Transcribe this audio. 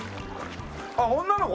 あっ女の子？